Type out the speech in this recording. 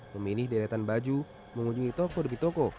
memilih deretan baju mengunjungi toko demi toko